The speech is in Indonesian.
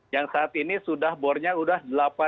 yang saat ini sudah bornya sudah delapan